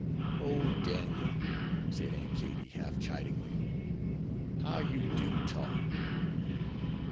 "O, Daniel," said Aunt Katie, half chidingly, "how you do talk."